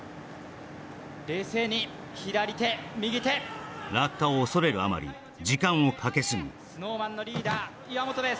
冷静に左手右手落下を恐れるあまり時間をかけすぎＳｎｏｗＭａｎのリーダー岩本です